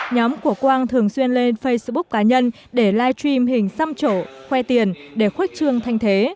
nhóm của quang thường xuyên lên facebook cá nhân để live stream hình xăm trổ khoe tiền để khuếch trương thanh thế